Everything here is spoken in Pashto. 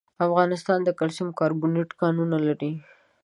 افغانستان د کلسیم کاربونېټ کانونه لري.